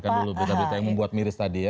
kan dulu berita berita yang membuat miris tadi ya